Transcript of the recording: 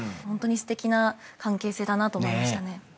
ホントにすてきな関係性だなと思いましたね。